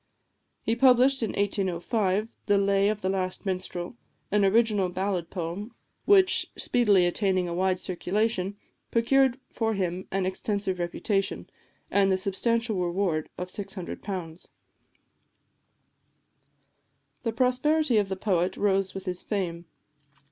He published in 1805 "The Lay of the Last Minstrel," an original ballad poem, which, speedily attaining a wide circulation, procured for him an extensive reputation, and the substantial reward of £600. The prosperity of the poet rose with his fame.